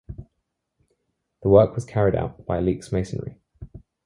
The work was carried out by Leake's Masonry.